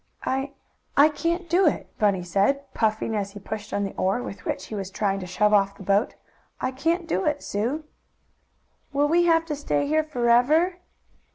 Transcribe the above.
"I I can't do it," Bunny said, puffing, as he pushed on the oar, with which he was trying to shove off the boat. "I can't do it, Sue." "Will we have to stay here forever?"